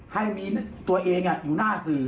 ให้มีตัวเองอยู่หน้าสื่อ